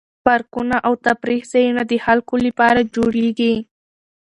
پارکونه او تفریح ځایونه د خلکو لپاره جوړیږي.